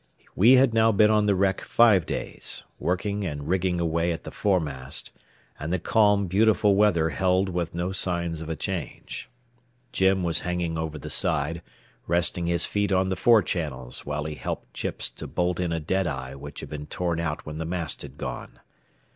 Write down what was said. We had now been on the wreck five days, working and rigging away at the foremast, and the calm, beautiful weather held with no signs of a change. Jim was hanging over the side, resting his feet on the fore channels while he helped Chips to bolt in a deadeye which had been torn out when the mast had gone.